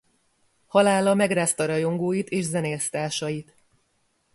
Halála megrázta rajongóit és zenésztársait.